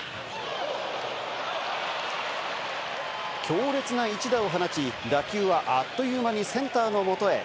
強烈な一打を放ち、打球はあっという間にセンターの元へ。